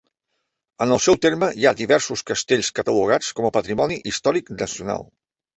En el seu terme hi ha diversos castells catalogats com a patrimoni històric nacional.